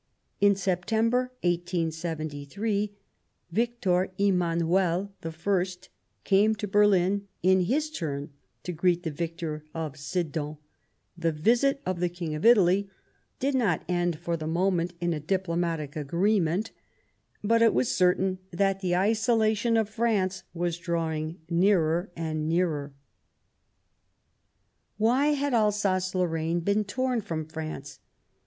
In September 1873 Victor Emmanuel I came to Berlin in his turn to greet the victor of Sedan ; the visit of the King of Italy did not end for the moment in a diplomatic agreement ; but it was certain that the isolation of France was drawing nearer and nearer. 169 Bismarck Why had Alsace Lorraine been torn from France